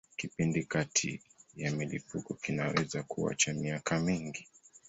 Kipindi kati ya milipuko kinaweza kuwa cha miaka mingi.